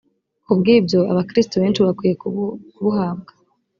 Kubw’ibyo abakiristu benshi bakwiye kubuhabwa